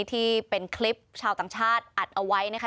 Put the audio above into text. ที่เป็นคลิปชาวต่างชาติอัดเอาไว้นะคะ